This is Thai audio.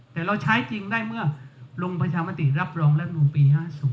แต่เราใช้จริงได้เมื่อลงประชามติรับรองรัฐมนูลปี๕๐